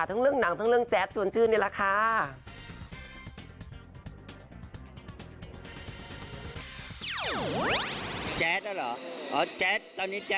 เรื่องหนังทั้งเรื่องแจ๊ดชวนชื่นนี่แหละค่ะ